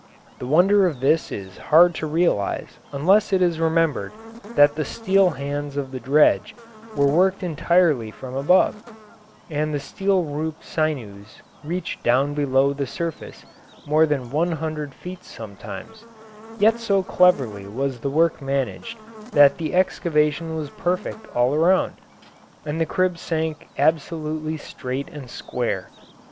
The wonder of this is hard to realise unless it is remembered that the steel hands of the dredge were worked entirely from above, and the steel rope sinews reached down below the surface more than one hundred feet sometimes; yet so cleverly was the work managed that the excavation was perfect all around, and the crib sank absolutely straight and square.